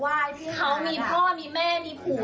ว่าพี่มีพ่อมีแม่มีผัว